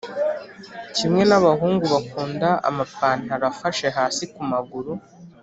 Kimwe nabahungu bakunda amapantaro afashe hasi kumaguru